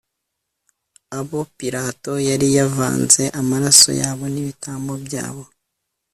abo pilato yari yaravanze amaraso yabo n ibitambo byabo